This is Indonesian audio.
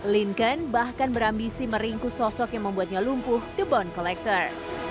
lincon bahkan berambisi meringkus sosok yang membuatnya lumpuh the bond collector